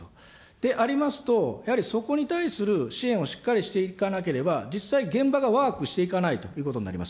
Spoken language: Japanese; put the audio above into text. でありますと、やはりそこに対する支援をしっかりしていかなければ、実際、現場がワークしていかないということになります。